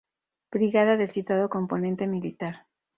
Brigada del citado componente militar.